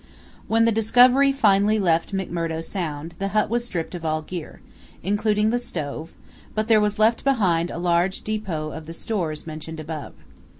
When the Discovery finally left McMurdo Sound, the hut was stripped of all gear, including the stove, but there was left behind a large depot of the stores mentioned above.